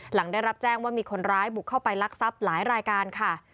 หลังได้รับแจ้งว่ามีคนร้ายบุกเข้าไปลักทรัพย์หลายรายการค่ะ